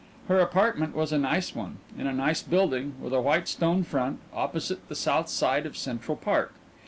Her apartment was a nice one, in a nice building with a white stone front, opposite the south side of Central Park.